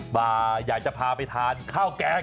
มาอยากจะพาไปทานข้าวแกง